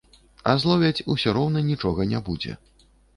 А зловяць, усё роўна нічога не будзе.